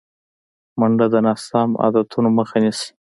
منډه د ناسم عادتونو مخه نیسي